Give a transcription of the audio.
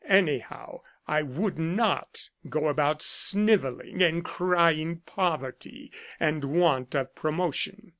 Anyhow, I would not go about snivelling and crying poverty and want of promotion.'